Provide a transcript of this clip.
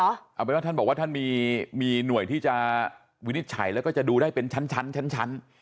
เอาเป็นว่าท่านบอกว่าท่านมีหน่วยที่จะวินิจฉัยแล้วก็จะดูได้เป็นชั้น